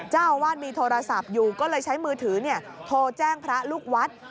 เจ้าอาวาสมีโทรศัพท์อยู่ก็เลยใช้มือถือโทรแจ้งพระลูกวัด